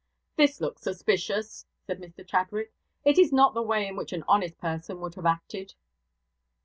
'This looks suspicious,' said Mr Chadwick. 'It is not the way in which an honest person would have acted.'